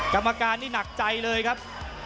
กรรมการนี่หนักใจเลยครับ